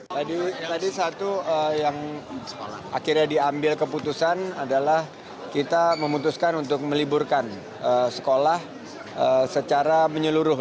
tadi satu yang akhirnya diambil keputusan adalah kita memutuskan untuk meliburkan sekolah secara menyeluruh